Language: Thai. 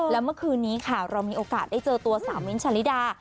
แล้วเมื่อคืนนี้ค่ะเรามีโอกาสได้เจอตัวสาวมิ้นท์ชาลิดา